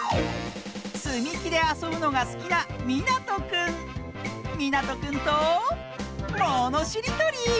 つみきであそぶのがすきなみなとくんとものしりとり！